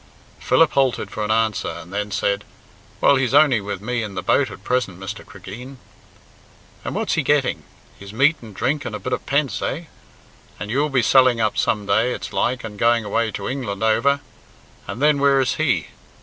Philip halted for an answer, and then said, "Well, he's only with me in the boat at present, Mr. Cregeen." "And what's he getting? His meat and drink and a bit of pence, eh? And you'll be selling up some day, it's like, and going away to England over, and then where is he?